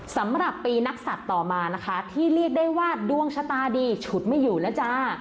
สำหรับปีนักศัตริย์ต่อมานะคะที่เรียกได้ว่าดวงชะตาดีฉุดไม่อยู่แล้วจ้า